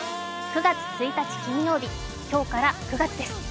９月１日金曜日、今日から９月です。